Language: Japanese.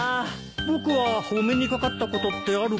僕はお目にかかったことってあるかな？